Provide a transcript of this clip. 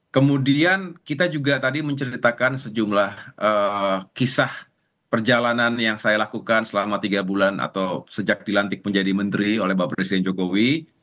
kemudian kita juga tadi menceritakan sejumlah kisah perjalanan yang saya lakukan selama tiga bulan atau sejak dilantik menjadi menteri oleh bapak presiden jokowi